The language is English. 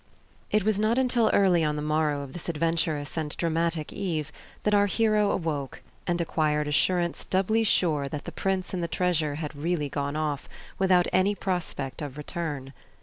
IT was not until early on the morrow of this adventurous and dramatic eve that our hero awoke, and acquired assurance doubly sure that the prince and the treasure had really gone off, without any prospect of return.